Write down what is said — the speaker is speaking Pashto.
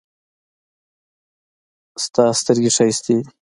د تا سترګې ښایستې دي